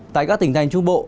tại các tỉnh thành trung bộ